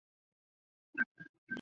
现在为摩洛哥国家足球队效力。